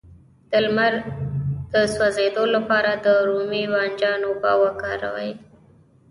د لمر د سوځیدو لپاره د رومي بانجان اوبه وکاروئ